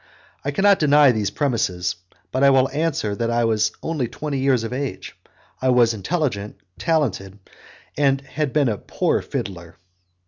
I cannot deny these premises, but I will answer that I was only twenty years of age, I was intelligent, talented, and had just been a poor fiddler.